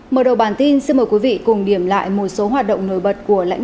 mở đầu bản tin xin mời quý vị cùng điểm lại một số hoạt động nổi bật